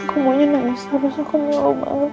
aku maunya nangis terus aku mau mau banget